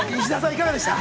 いかがでした？